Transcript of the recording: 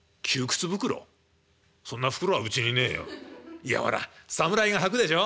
「いやほら侍がはくでしょ。